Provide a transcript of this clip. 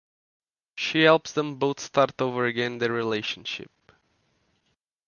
She helps them both start over again their relationship.